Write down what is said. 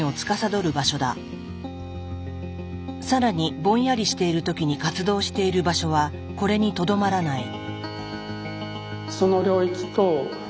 更にぼんやりしている時に活動している場所はこれにとどまらない。